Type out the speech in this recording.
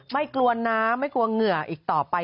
ไม่กลัวน้ำไม่กลัวเหงื่ออีกต่อไป